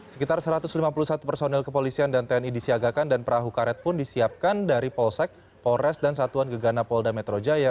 sekitar satu ratus lima puluh satu personil kepolisian dan tni disiagakan dan perahu karet pun disiapkan dari polsek polres dan satuan gegana polda metro jaya